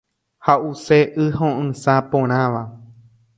Ha’use y ho’ysã porãva.